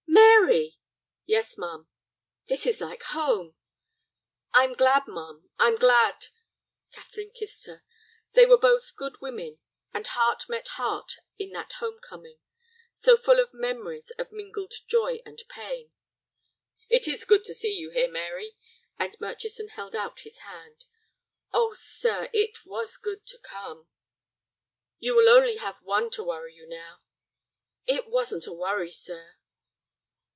"Mary!" "Yes, ma'am." "This is like home." "I'm glad, ma'am, I'm glad—" Catherine kissed her. They were both good women, and heart met heart in that home coming, so full of memories of mingled joy and pain. "It is good to see you here, Mary," and Murchison held out a hand. "Oh, sir, it was good to come." "You will only have one to worry you now." "It wasn't a worry, sir."